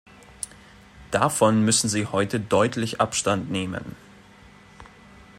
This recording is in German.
Davon müssen Sie heute deutlich Abstand nehmen.